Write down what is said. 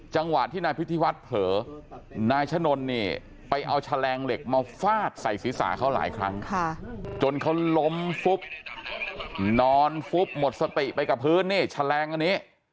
จังหวะที่นายพิธีวัฒน์เผลอนายชะนนเนี่ยไปเอาแฉลงเหล็กมาฟาดใส่ศีรษะเขาหลายครั้งจนเขาล้มฟุบนอนฟุบหมดสติไปกับพื้นนี่แฉลงอันนี้